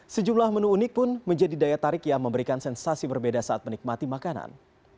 sejumlah menu unik pun menjadi daya tarik yang memberikan sensasi berbeda saat menikmati makanan